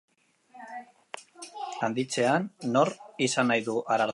Handitzean, nork izan nahi du Ararteko?